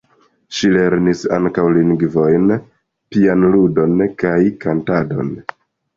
Ŝi lernis ankaŭ lingvojn, pianludon kaj kantadon.